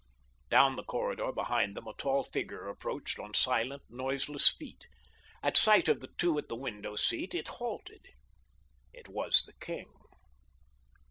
Down the corridor behind them a tall figure approached on silent, noiseless feet. At sight of the two at the window seat it halted. It was the king.